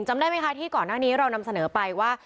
จำได้ไหมคะที่ก่อนหน้านี้เรานำเสนอไปว่า